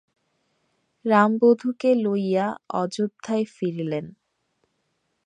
রাম বধূকে লইয়া অযোধ্যায় ফিরিলেন।